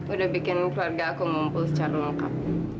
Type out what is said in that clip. udah bikin keluarga aku ngumpul secara lengkap